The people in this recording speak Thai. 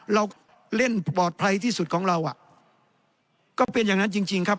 เราเล่นปลอดภัยที่สุดของเราอ่ะก็เป็นอย่างนั้นจริงจริงครับ